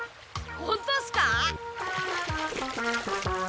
本当っすか？